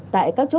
tại các chốt kỳ vụ